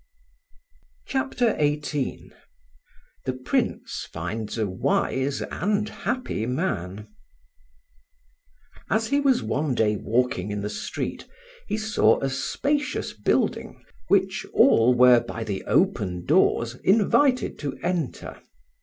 CHAPTER XVIII THE PRINCE FINDS A WISE AND HAPPY MAN. AS he was one day walking in the street he saw a spacious building which all were by the open doors invited to enter.